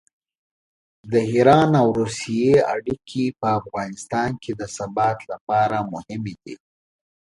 د ایران او روسیې اړیکې په افغانستان کې د ثبات لپاره مهمې دي.